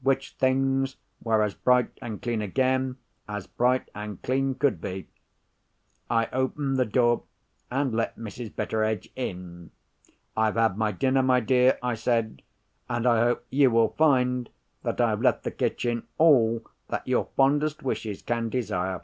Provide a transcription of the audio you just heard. When things were as bright and clean again, as bright and clean could be, I opened the door and let Mrs. Betteredge in. 'I've had my dinner, my dear,' I said; 'and I hope you will find that I have left the kitchen all that your fondest wishes can desire.